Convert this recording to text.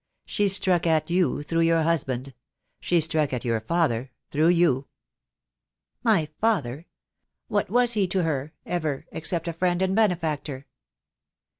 She struck at you through your husband. She struck at your father through you." "My father! What was he to her — ever, except a friend and benefactor?"